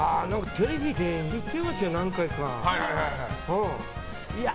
テレビで見てますよ、何回か。